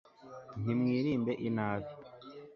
nti mwirinde inabi